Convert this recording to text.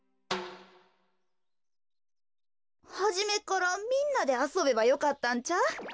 はじめっからみんなであそべばよかったんちゃう？